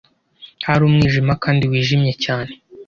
Hari umwijima kandi wijimye cyane